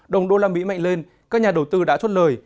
đồng đô la mỹ mạnh lên các nhà đầu tư đã chốt lời